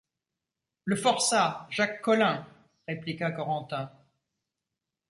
Le forçat, Jacques Collin! répliqua Corentin.